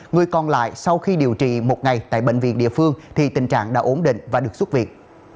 người còn lại sau khi điều trị một ngày tại bệnh viện địa phương thì tình trạng đã ổn định và được xuất viện